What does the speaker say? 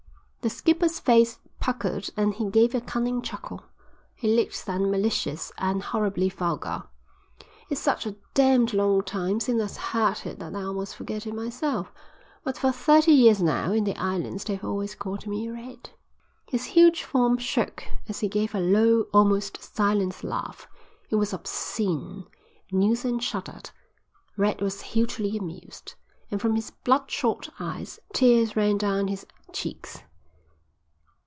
The skipper's face puckered and he gave a cunning chuckle. He looked then malicious and horribly vulgar. "It's such a damned long time since I heard it that I almost forget it myself. But for thirty years now in the islands they've always called me Red." His huge form shook as he gave a low, almost silent laugh. It was obscene. Neilson shuddered. Red was hugely amused, and from his bloodshot eyes tears ran down his cheeks.